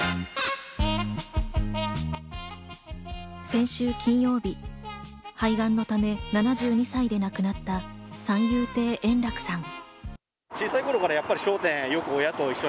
先週金曜日、肺がんのため、７２歳で亡くなった三遊亭円楽さん。